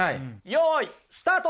よいスタート！